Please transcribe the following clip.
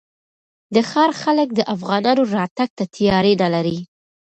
د ښار خلک د افغانانو راتګ ته تیاری نه لري.